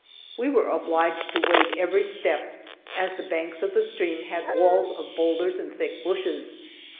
We were obliged to wade every step, as the banks of the stream had walls of boulders and thick bushes.